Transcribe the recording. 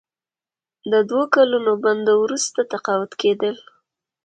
د دوه کلونو بند وروسته تقاعد کیدل.